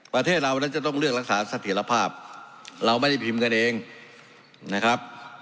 ประเทศเรานั้นจะต้องเลือกรักษาเสถียรภาพเราไม่ได้พิมพ์กันเองนะครับ